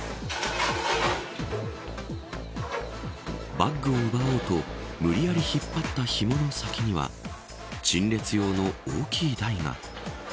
バッグを奪おうと無理やり引っ張ったひもの先には陳列用の大きい台が。